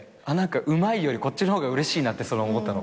「うまい」よりこっちの方がうれしいなって思ったの。